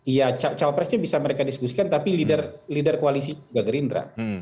iya cawapresnya bisa mereka diskusikan tapi leader koalisinya juga gerindra